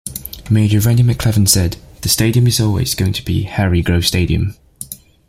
Mayor Randy McClement said, The stadium is always going to be Harry Grove Stadium.